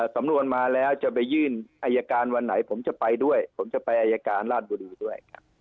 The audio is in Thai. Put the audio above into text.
สำนวนมาแล้วจะไปยื่นอายการวันไหนผมจะไปด้วยผมจะไปอายการราชบุรีด้วย